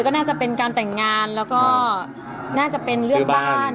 ก็น่าจะเป็นการแต่งงานแล้วก็น่าจะเป็นเรื่องบ้าน